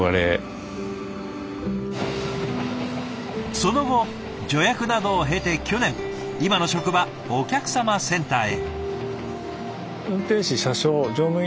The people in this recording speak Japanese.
その後助役などを経て去年今の職場お客さまセンターへ。